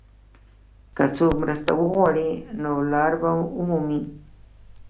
که څوک مرسته وغواړي، نو لار به ومومي.